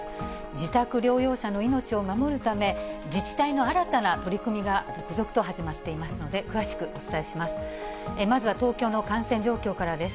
自宅療養者の命を守るため、自治体の新たな取り組みが続々と始まっていますので、詳しくお伝えします。